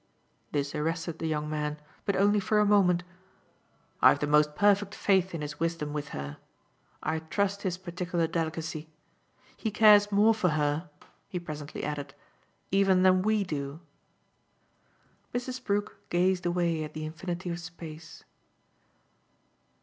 This arrested the young man, but only for a moment. "I've the most perfect faith in his wisdom with her. I trust his particular delicacy. He cares more for her," he presently added, "even than we do." Mrs. Brook gazed away at the infinite of space.